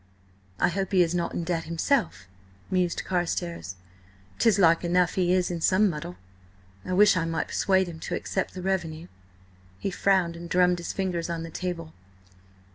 "I hope he is not in debt himself," mused Carstares, "'Tis like enough he is in some muddle. I wish I might persuade him to accept the revenue." He frowned and drummed his fingers on the table.